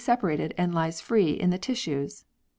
separated and lies free in the tissues (fig.